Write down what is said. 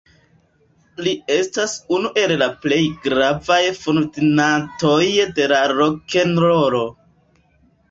Li estas unu el la plej gravaj fondintoj de la rokenrolo.